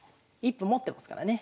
１歩持ってますからね。